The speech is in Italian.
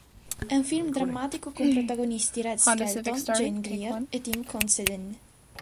È un film drammatico con protagonisti Red Skelton, Jane Greer e Tim Considine.